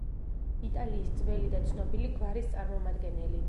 იტალიის ძველი და ცნობილი გვარის წარმომადგენელი.